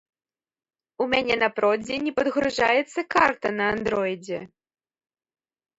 У мяне на продзе не падгружаецца карта на андроідзе.